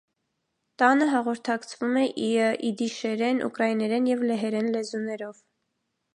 Տանը հաղորդակցվում է իդիշերեն, ուկրաիներեն և լեհերեն լեզուներով։